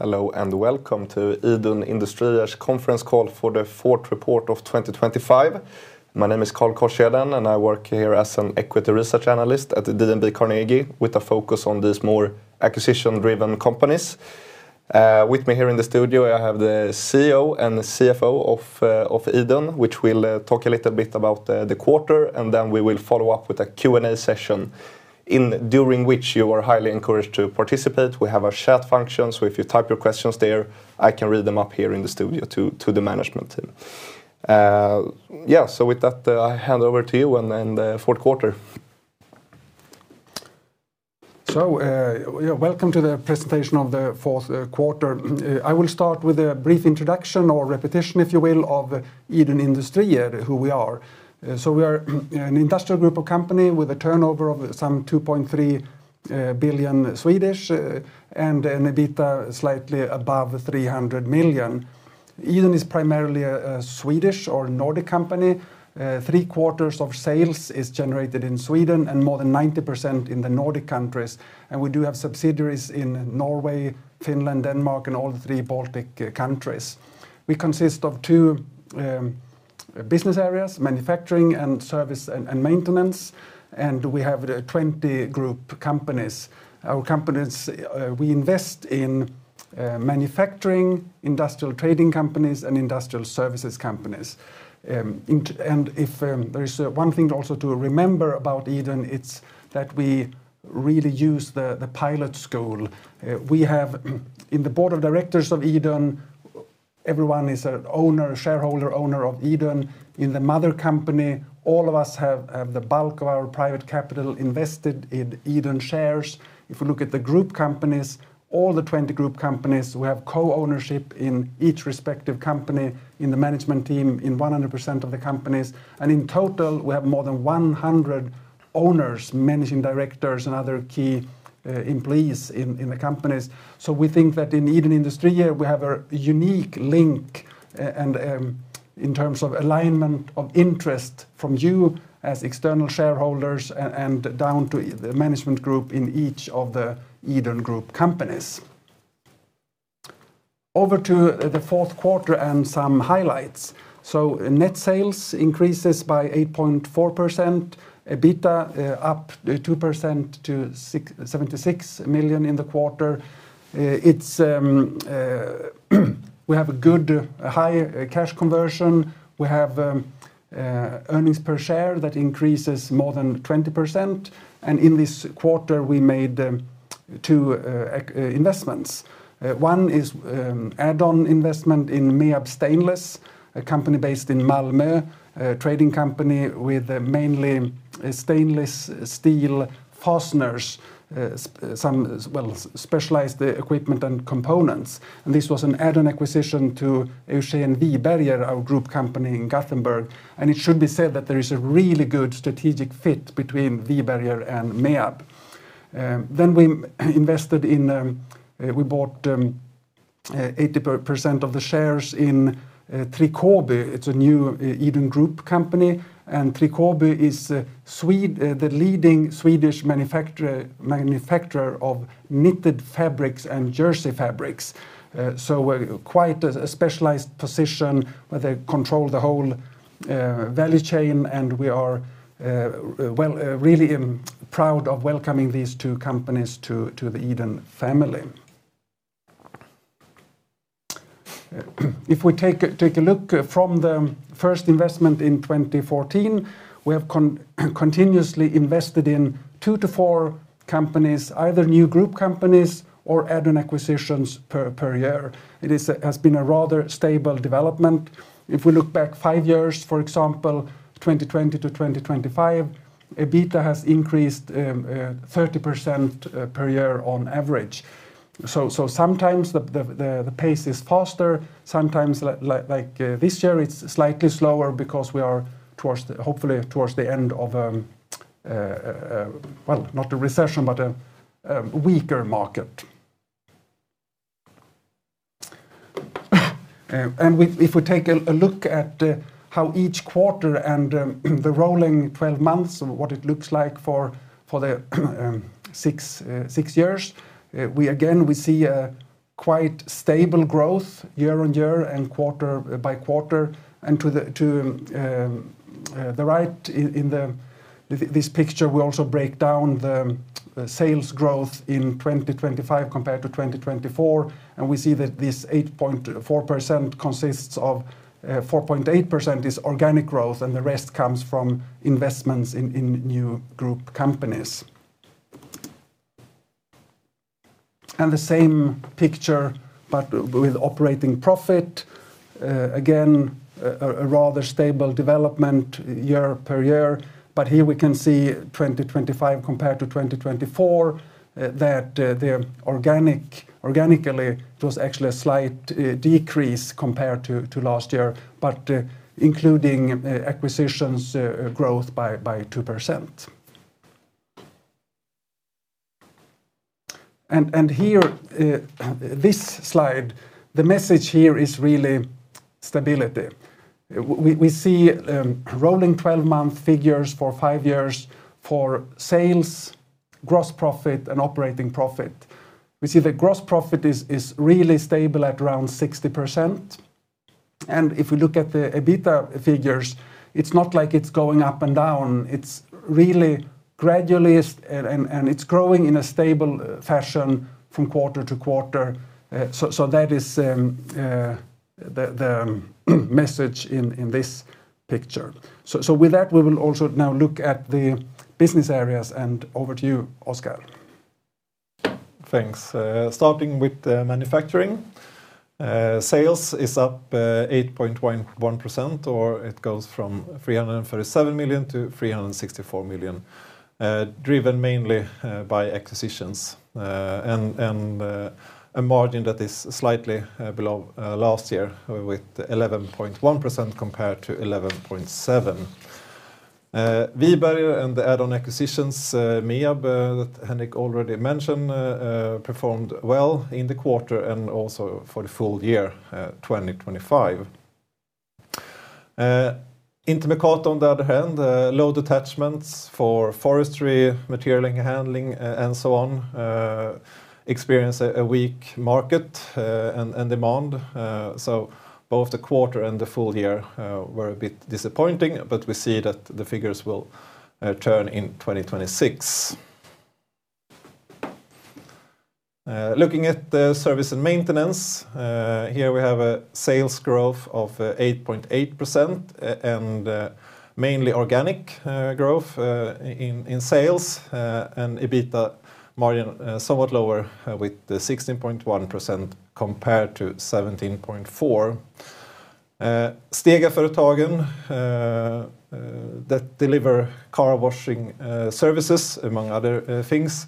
Hello, and welcome to Idun Industrier's Conference Call for the Fourth Report of 2025. My name is Carl Korsheden, and I work here as an Equity Research Analyst at DNB Carnegie with a focus on these more acquisition-driven companies. With me here in the studio, I have the CEO and the CFO of Idun, which will talk a little bit about the quarter, and then we will follow up with a Q&A session in during which you are highly encouraged to participate. We have a chat function, so if you type your questions there, I can read them up here in the studio to the management team. With that, I hand over to you and then the fourth quarter. Yeah, welcome to the presentation of the fourth quarter. I will start with a brief introduction or repetition, if you will, of Idun Industrier, who we are. We are an industrial group of company with a turnover of some 2.3 billion and an EBITDA slightly above 300 million. Idun is primarily a Swedish or Nordic company. Three quarters of sales is generated in Sweden and more than 90% in the Nordic countries, and we do have subsidiaries in Norway, Finland, Denmark, and all three Baltic countries. We consist of two business areas, manufacturing and service and maintenance, and we have 20 group companies. Our companies, we invest in manufacturing, industrial trading companies, and industrial services companies. If there is one thing also to remember about Idun, it's that we really use the pilot school. We have in the Board of Directors of Idun, everyone is a owner, shareholder owner of Idun. In the mother company, all of us have the bulk of our private capital invested in Idun shares. If you look at the group companies, all the 20 group companies, we have co-ownership in each respective company, in the management team, in 100% of the companies. In total, we have more than 100 owners, managing directors, and other key employees in the companies. We think that in Idun Industrier, we have a unique link, and in terms of alignment of interest from you as external shareholders and down to the management group in each of the Idun Group companies. Over to the fourth quarter and some highlights. Net sales increases by 8.4%. EBITDA up 2% to 76 million in the quarter. It's, we have a good high cash conversion. We have earnings per share that increases more than 20%. In this quarter, we made two investments. One is add-on investment in MEAB Stainless, a company based in Malmö, a trading company with mainly stainless steel fasteners, some, well, specialized equipment and components. This was an add-on acquisition to Eugen Wiberger, our group company in Gothenburg. It should be said that there is a really good strategic fit between Wiberger and MEAB. We invested in, we bought 80% of the shares in Trikåby. It's a new Idun Group company. Trikåby is the leading Swedish manufacturer of knitted fabrics and jersey fabrics. Quite a specialized position where they control the whole value chain. We are well, really proud of welcoming these two companies to the Idun family. If we take a look from the first investment in 2014, we have continuously invested in two to four companies, either new Group companies or add-on acquisitions per year. It has been a rather stable development. If we look back five years, for example, 2020 to 2025, EBITDA has increased 30% per year on average. Sometimes the pace is faster. Sometimes like this year, it's slightly slower because we are towards the, hopefully towards the end of, well, not a recession, but a weaker market. We, if we take a look at how each quarter and the rolling twelve months and what it looks like for the six years, we again, we see a quite stable growth year on year and quarter by quarter. To the right in this picture, we also break down the sales growth in 2025 compared to 2024, we see that this 8.4% consists of 4.8% is organic growth, and the rest comes from investments in new group companies. The same picture, but with operating profit. Again, a rather stable development year per year. Here we can see 2025 compared to 2024, that the organic, organically, it was actually a slight decrease compared to last year, but including acquisitions, growth by 2%. Here, this slide, the message here is really stability. We see rolling 12-month figures for five years for sales, gross profit, and operating profit. We see the gross profit is really stable at around 60%. If we look at the EBITDA figures, it's not like it's going up and down, it's really gradually and it's growing in a stable fashion from quarter to quarter. So that is the message in this picture. With that, we will also now look at the business areas, and over to you, Oskar. Thanks. Starting with manufacturing. Sales is up 8.11%, or it goes from 337 million to 364 million, driven mainly by acquisitions. A margin that is slightly below last year with 11.1% compared to 11.7%. Wiberger and the add-on acquisitions, MEAB, that Henrik already mentioned, performed well in the quarter and also for the full year 2025. Intermercato, on the other hand, load attachments for forestry, material handling, and so on, experience a weak market and demand. Both the quarter and the full year were a bit disappointing, but we see that the figures will turn in 2026. Looking at the service and maintenance, here we have a sales growth of 8.8% and mainly organic growth in sales. EBITDA margin somewhat lower with 16.1% compared to 17.4%. Stegaföretagen that deliver car washing services, among other things,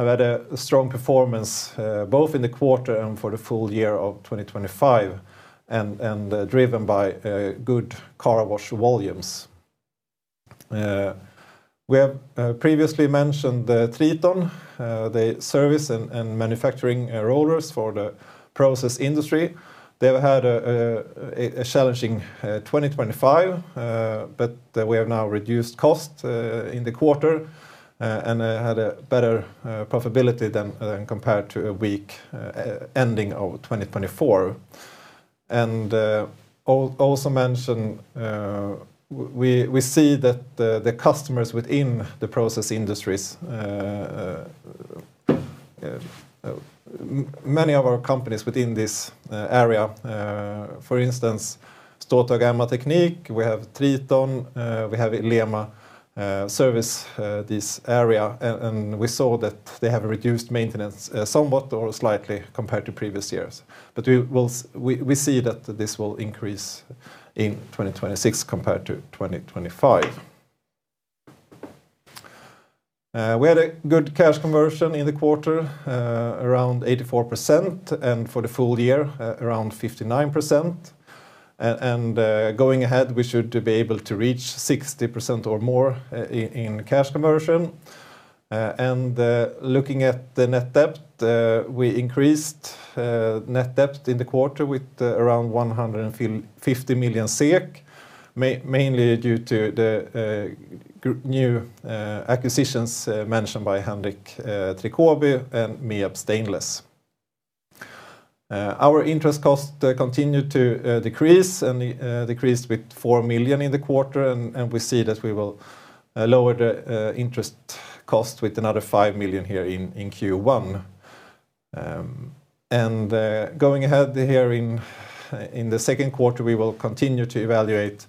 have had a strong performance both in the quarter and for the full year of 2025, driven by good car wash volumes. We have previously mentioned Triton, they service and manufacturing rollers for the process industry. They've had a challenging 2025, we have now reduced cost in the quarter and had a better profitability than compared to a weak ending of 2024. Also mention, we see that the customers within the process industries. Many of our companies within this area, for instance Ståthöga MA Teknik, we have Triton, we have [ILEMA] service this area. We saw that they have reduced maintenance somewhat or slightly compared to previous years. We see that this will increase in 2026 compared to 2025. We had a good cash conversion in the quarter, around 84%, and for the full year, around 59%. Going ahead, we should be able to reach 60% or more in cash conversion. Looking at the net debt, we increased net debt in the quarter with around 150 million SEK, mainly due to the new acquisitions mentioned by Henrik, Trikåby and MEAB Stainless. Our interest costs continue to decrease and decreased with 4 million in the quarter, and we see that we will lower the interest cost with another 5 million here in Q1. Going ahead here in the second quarter, we will continue to evaluate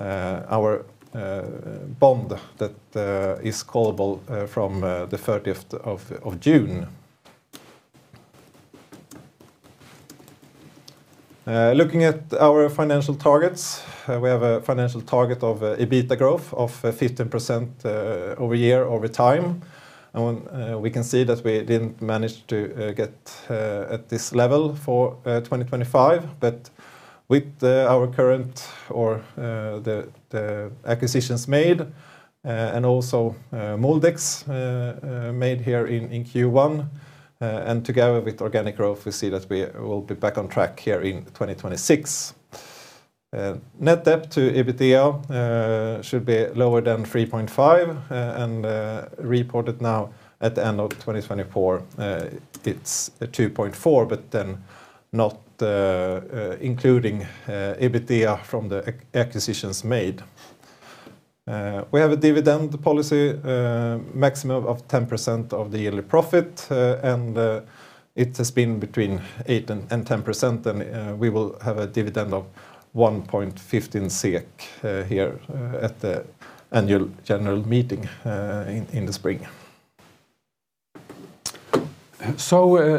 our bond that is callable from the 30th of June. Looking at our financial targets, we have a financial target of EBITDA growth of 15% over year, over time. When we can see that we didn't manage to get at this level for 2025. With our current or the acquisitions made, and also Mouldex made here in Q1, and together with organic growth, we see that we will be back on track here in 2026. Net debt to EBITDA should be lower than 3.5x, and reported now at the end of 2024, it's 2.4x, but then not including EBITDA from the acquisitions made. We have a dividend policy, maximum of 10% of the yearly profit, it has been between 8% and 10%, we will have a dividend of 1.15 SEK here at the annual general meeting in the spring.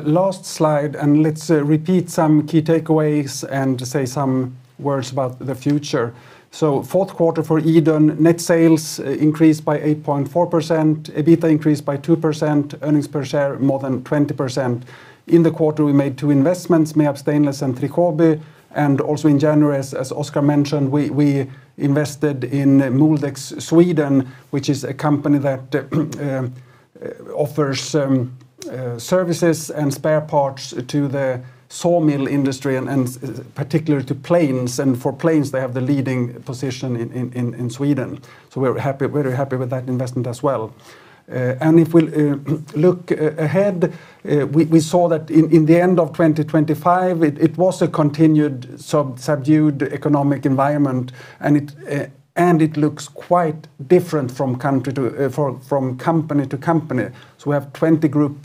Last slide, and let's repeat some key takeaways and say some words about the future. Fourth quarter for Idun, net sales increased by 8.4%, EBITDA increased by 2%, earnings per share more than 20%. In the quarter, we made two investments, MEAB Stainless and Trikåby. Also in January, as Oskar mentioned, we invested in Mouldex Sweden, which is a company that offers services and spare parts to the sawmill industry and particularly to planes. For planes, they have the leading position in Sweden. We're happy, very happy with that investment as well. If we'll look ahead, we saw that in the end of 2025, it was a continued subdued economic environment, and it looks quite different from company to company. We have 20 group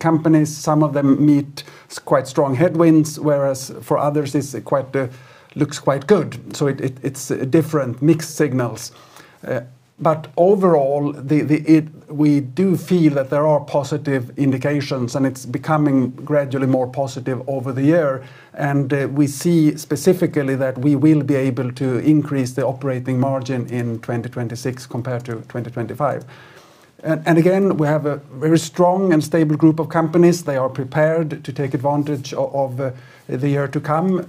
companies. Some of them meet quite strong headwinds, whereas for others it's quite looks quite good. It's different, mixed signals. Overall, we do feel that there are positive indications, and it's becoming gradually more positive over the year. We see specifically that we will be able to increase the operating margin in 2026 compared to 2025. Again, we have a very strong and stable group of companies. They are prepared to take advantage of the year to come.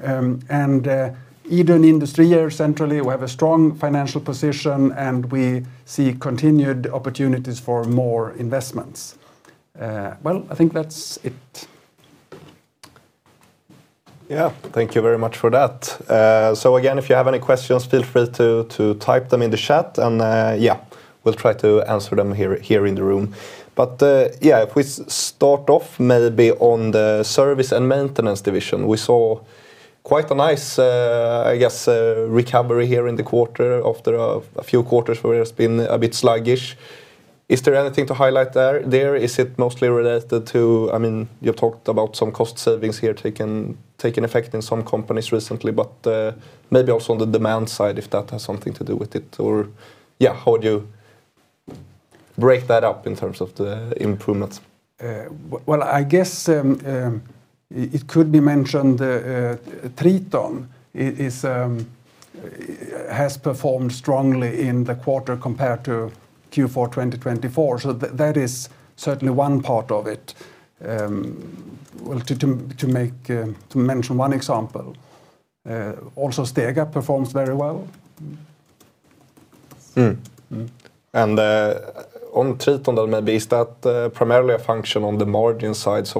Idun Industrier here centrally, we have a strong financial position, and we see continued opportunities for more investments. Well, I think that's it. Yeah. Thank you very much for that. Again, if you have any questions, feel free to type them in the chat and, yeah, we'll try to answer them here in the room. Yeah, if we start off maybe on the service and maintenance division, we saw quite a nice, I guess, recovery here in the quarter after a few quarters where it's been a bit sluggish. Is there anything to highlight there? Is it mostly related to-- I mean, you've talked about some cost savings here taking effect in some companies recently, but maybe also on the demand side, if that has something to do with it. How would you break that up in terms of the improvements? Well, I guess, it could be mentioned, Triton has performed strongly in the quarter compared to Q4 2024. That is certainly one part of it. Well, to make, to mention one example, also Stega performs very well. On Triton then maybe, is that primarily a function on the margin side? So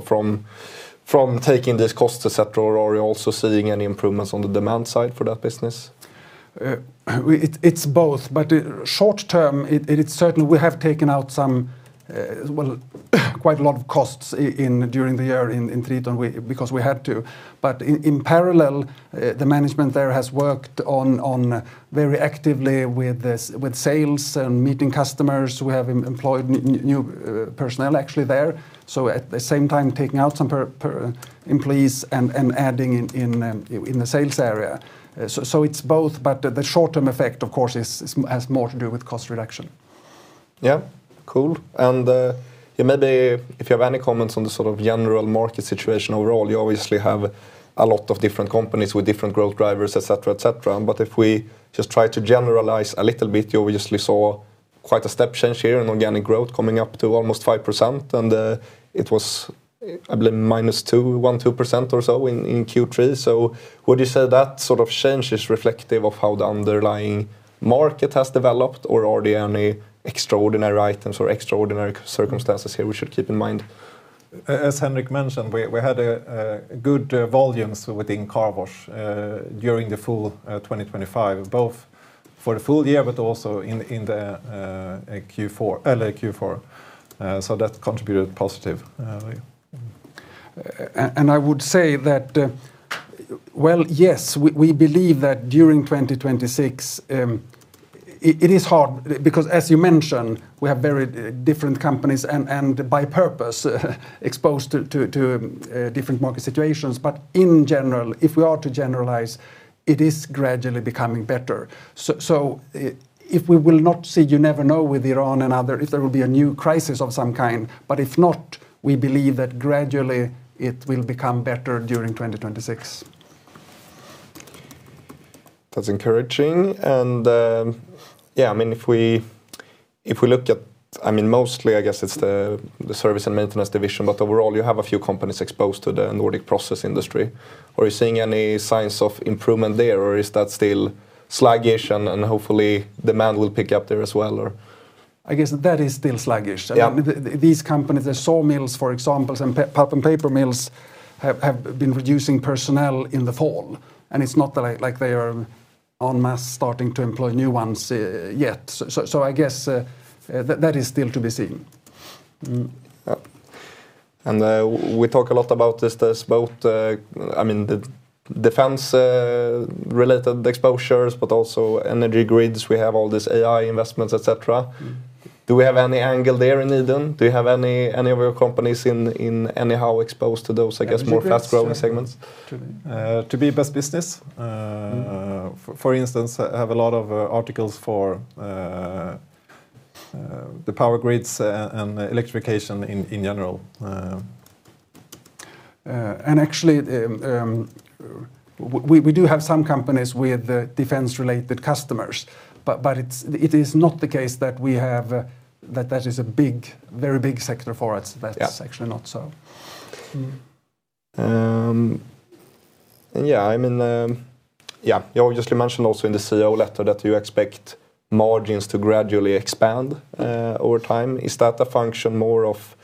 from taking these costs et cetera, or are you also seeing any improvements on the demand side for that business? It's both, but short term, it is certainly we have taken out some, well, quite a lot of costs during the year in Triton. Because we had to. In parallel, the management there has worked on very actively with sales and meeting customers. We have employed new personnel actually there. At the same time, taking out some employees and adding in the sales area. It's both, but the short term effect, of course, is has more to do with cost reduction. Yeah. Cool. Yeah, maybe if you have any comments on the sort of general market situation overall. You obviously have a lot of different companies with different growth drivers, et cetera, et cetera. If we just try to generalize a little bit, you obviously saw quite a step change here in organic growth coming up to almost 5%. It was, I believe, -2%, 1%, 2% or so in Q3. Would you say that sort of change is reflective of how the underlying market has developed, or are there any extraordinary items or extraordinary circumstances here we should keep in mind? As Henrik mentioned, we had good volumes within car wash, during the full 2025, both for the full year, but also in the Q4, early Q4. That contributed positive. I would say that, well, yes, we believe that during 2026, it is hard because, as you mentioned, we have very different companies and by purpose exposed to different market situations. In general, if we are to generalize, it is gradually becoming better. If we will not see, you never know with Iran and other, if there will be a new crisis of some kind. If not, we believe that gradually it will become better during 2026. That's encouraging. Yeah, I mean, if we look at, I mean, mostly, I guess it's the service and maintenance division, but overall, you have a few companies exposed to the Nordic process industry. Are you seeing any signs of improvement there, or is that still sluggish and hopefully demand will pick up there as well, or? I guess that is still sluggish. Yeah. I mean, these companies, the sawmills, for example, and pulp and paper mills have been reducing personnel in the fall, and it's not like they are en masse starting to employ new ones, yet. I guess, that is still to be seen. We talk a lot about this both, I mean the defense related exposures, but also energy grids. We have all these AI investments, et cetera. Do we have any angle there in Idun? Do you have any of your companies in anyhow exposed to those, I guess, more fast-growing segments? To be better business. for instance, have a lot of articles for the power grids and electrification in general. Actually, we do have some companies with defense-related customers, but it is not the case that we have that is a big, very big sector for us. That's actually not so. Yeah. I mean, yeah, you obviously mentioned also in the CO letter that you expect margins to gradually expand over time. Is that a function more of,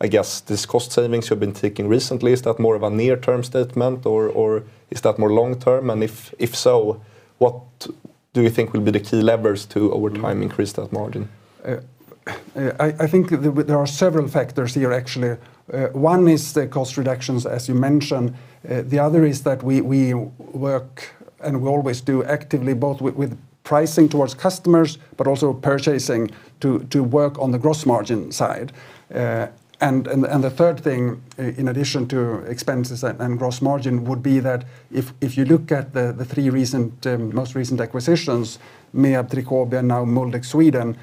I guess, these cost savings you've been taking recently? Is that more of a near-term statement or is that more long-term? If so, what do you think will be the key levers to over time increase that margin? I think there are several factors here actually. One is the cost reductions, as you mentioned. The other is that we work and we always do actively, both with pricing towards customers, but also purchasing to work on the gross margin side. The third thing in addition to expenses and gross margin would be that if you look at the three recent most recent acquisitions, MEAB, Trikåby, and now Mouldex Sweden,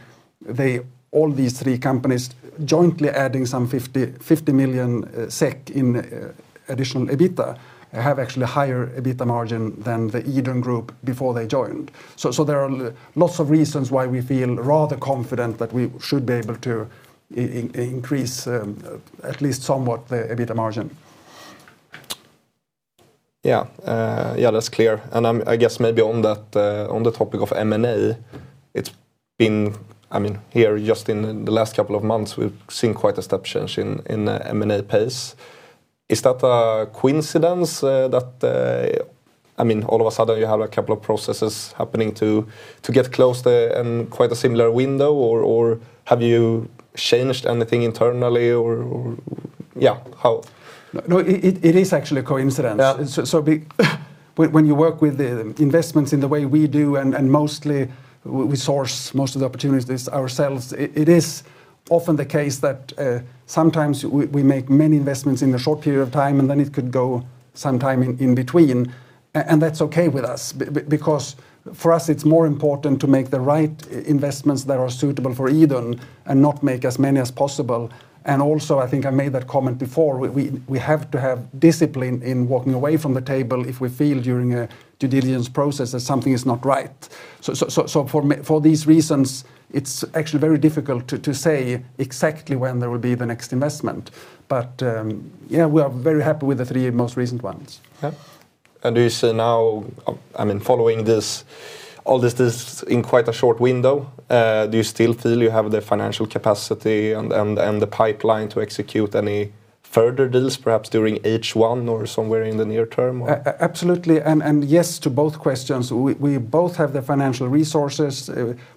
all these three companies jointly adding some 50 million SEK in additional EBITDA, have actually higher EBITDA margin than the Idun Group before they joined. There are lots of reasons why we feel rather confident that we should be able to increase at least somewhat the EBITDA margin. Yeah, that's clear. I guess maybe on that, on the topic of M&A, here, just in the last couple of months, we've seen quite a step change in M&A pace. Is that a coincidence that all of a sudden you have a couple of processes happening to get close to and quite a similar window or have you changed anything internally or? Yeah, how? No, it is actually a coincidence. When you work with the investments in the way we do, and mostly we source most of the opportunities ourselves, it is often the case that, sometimes we make many investments in a short period of time, and then it could go some time in between, and that's okay with us because for us it's more important to make the right investments that are suitable for Idun and not make as many as possible. Also, I think I made that comment before, we have to have discipline in walking away from the table if we feel during a due diligence process that something is not right. For me, for these reasons, it's actually very difficult to say exactly when there will be the next investment. You know, we are very happy with the three most recent ones. Yeah. Do you see now, I mean, following this, all this in quite a short window, do you still feel you have the financial capacity and the pipeline to execute any further deals perhaps during H1 or somewhere in the near term or? Absolutely, and yes to both questions. We both have the financial resources.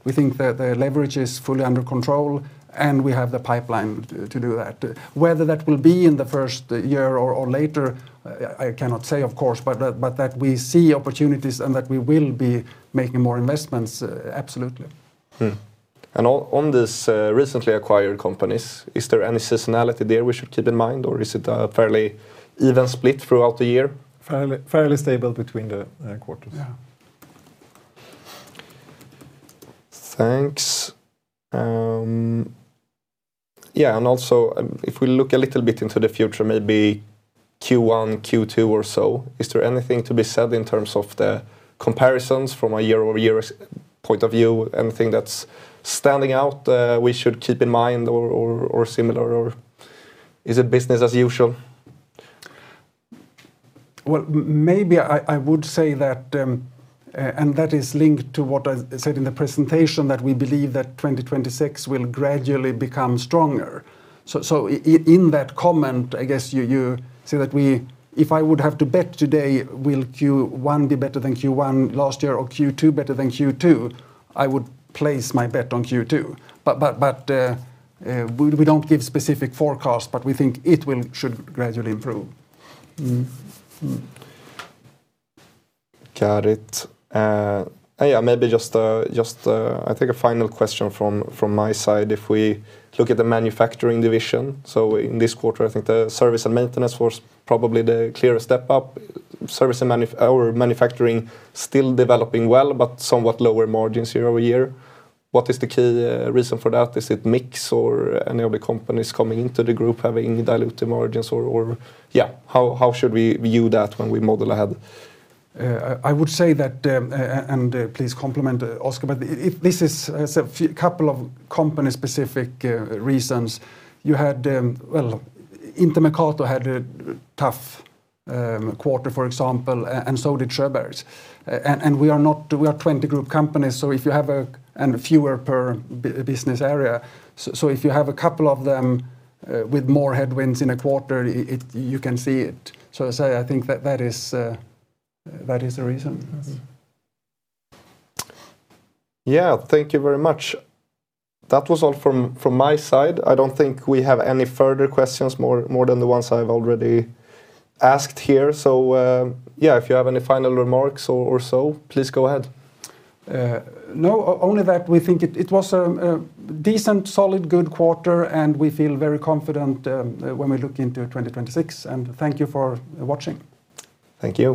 We think the leverage is fully under control, and we have the pipeline to do that. Whether that will be in the first year or later, I cannot say of course, but that we see opportunities and that we will be making more investments, absolutely. On this recently acquired companies, is there any seasonality there we should keep in mind, or is it a fairly even split throughout the year? Fairly stable between the quarters. Yeah. Thanks. Also, if we look a little bit into the future, maybe Q1, Q2 or so, is there anything to be said in terms of the comparisons from a year-over-year point of view? Anything that's standing out, we should keep in mind or similar, or is it business as usual? Well, maybe I would say that, and that is linked to what I said in the presentation, that we believe that 2026 will gradually become stronger. In that comment, I guess you say that we. If I would have to bet today, will Q1 be better than Q1 last year or Q2 better than Q2, I would place my bet on Q2. We don't give specific forecasts, but we think it will, should gradually improve. Got it. Yeah, maybe just, I think a final question from my side. If we look at the manufacturing division, so in this quarter, I think the service and maintenance was probably the clearest step up. Service and manufacturing still developing well, but somewhat lower margins year-over-year. What is the key reason for that? Is it mix or any of the companies coming into the group having dilutive margins? Yeah, how should we view that when we model ahead? I would say that, and please compliment Oskar, but if this is as a few, couple of company specific reasons, you had, well, Intermercato had a tough quarter, for example, and so did Sjöbergs. We are not. We are 20 group companies. Fewer per business area. So if you have a couple of them with more headwinds in a quarter, it, you can see it. So to say, I think that that is the reason. Thank you very much. That was all from my side. I don't think we have any further questions more than the ones I've already asked here. If you have any final remarks or so, please go ahead. No. Only that we think it was a decent, solid, good quarter, and we feel very confident, when we look into 2026. Thank you for watching. Thank you.